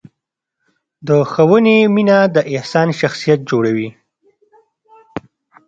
د ښوونې مینه د انسان شخصیت جوړوي.